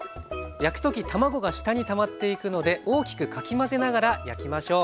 焼く時卵が下にたまっていくので大きくかき混ぜながら焼きましょう。